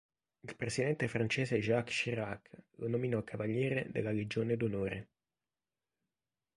Il presidente francese Jacques Chirac lo nominò cavaliere della Legione d'Onore.